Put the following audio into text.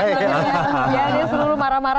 dia selalu marah marah